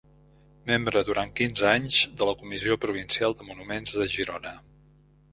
Membre durant quinze anys de la Comissió Provincial de Monuments de Girona.